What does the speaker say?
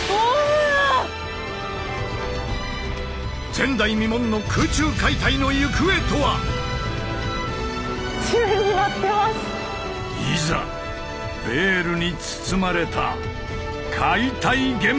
前代未聞の空中解体の行方とは⁉いざベールに包まれた解体現場の世界へ！